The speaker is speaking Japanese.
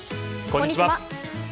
こんにちは。